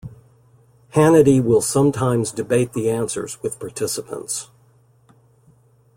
Hannity will sometimes debate the answers with participants.